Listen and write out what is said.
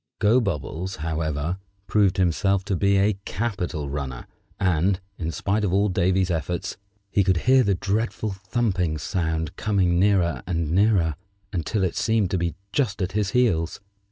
Gobobbles, however, proved himself to be a capital runner, and, in spite of all Davy's efforts, he could hear the dreadful thumping sound coming nearer and nearer, until it seemed to be just at his heels.